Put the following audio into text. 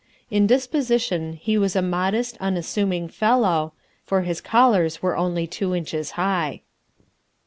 In disposition he was a modest, unassuming fellow, for his collars were only two inches high."